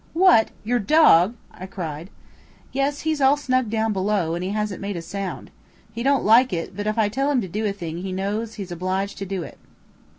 "What! your dog?" I cried. "Yes; he's all snug down below, and he hasn't made a sound. He don't like it, but if I tell him to do a thing he knows he's obliged to do it."